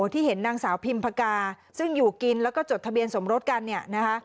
ที่เห็นนางสาวพิมพกาซึ่งอยู่กินแล้วก็จดทะเบียนสมรสกันเนี่ยนะคะ